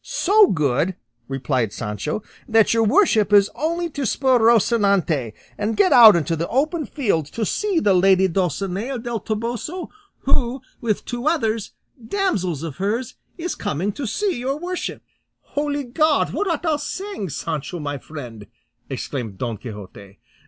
"So good," replied Sancho, "that your worship has only to spur Rocinante and get out into the open field to see the lady Dulcinea del Toboso, who, with two others, damsels of hers, is coming to see your worship." "Holy God! what art thou saying, Sancho, my friend?" exclaimed Don Quixote.